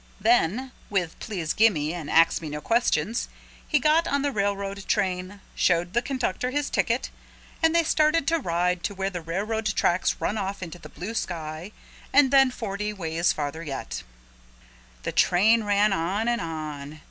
Then with Please Gimme and Ax Me No Questions he got on the railroad train, showed the conductor his ticket and they started to ride to where the railroad tracks run off into the blue sky and then forty ways farther yet. The train ran on and on.